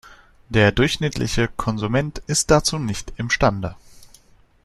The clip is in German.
Der durchschnittliche Konsument ist dazu nicht imstande.